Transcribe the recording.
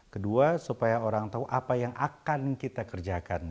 kedua supaya orang tahu apa yang akan kita kerjakan